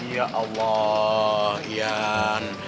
ya allah ian